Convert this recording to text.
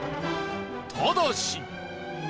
ただし